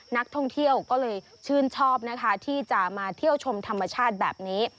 นักท่องเที่ยวก็เลยชื่นชอบนะคะที่จะมาเที่ยวชมธรรมชาติแบบนี้